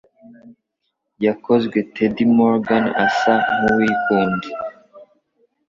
Yakozwe Ted Morgan asa nkuwikunda